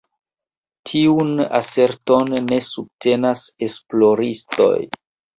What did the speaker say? Tiun aserton ne subtenas esploristoj.